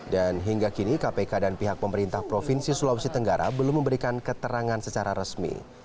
dan hingga kini kpk dan pihak pemerintah provinsi sulawesi tenggara belum memberikan keterangan secara resmi